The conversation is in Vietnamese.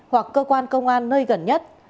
hoặc cơ quan công an nơi gần nhất